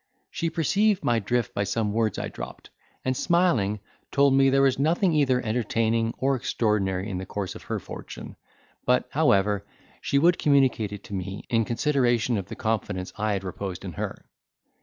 She perceived my drift by some words I dropped, and smiling told me, there was nothing either entertaining or extraordinary in the course of her fortune; but, however, she would communicate it to me, in consideration of the confidence I had reposed in her.